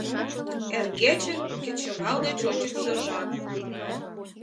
Эргече – кечывал деч ончычсо жап.